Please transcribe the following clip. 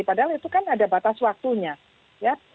padahal itu kan ada batas waktunya ya